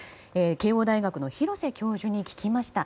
慶應大学の廣瀬教授に聞きました。